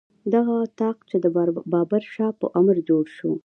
دغه طاق چې د بابر شاه په امر جوړ شو.